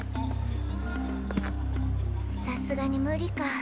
さすがにムリか。